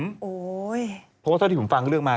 เพราะว่าเท่าที่ผมฟังเรื่องมา